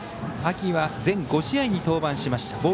秋は全５試合に登板しました。